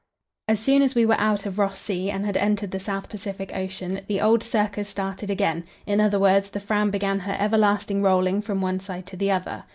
As soon as we were out of Ross Sea and had entered the South Pacific Ocean, the old circus started again in other words, the Fram began her everlasting rolling from one side to the other.